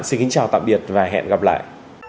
xin kính chào tạm biệt và hẹn gặp lại